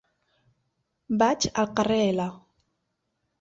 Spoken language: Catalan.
Vaig al carrer L.